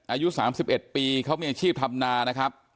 อายุ๓๑ปีเขามีอาชีพทำนานะครับ